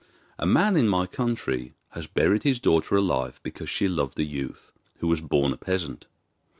A man in my country has buried his daughter alive because she loved a youth who was born a peasant.